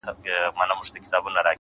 خپل ژوند د مانا او خدمت لور ته بوځئ!.